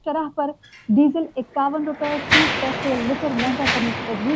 ٹھیک ہے کہ دیا ہے چائے کا۔۔۔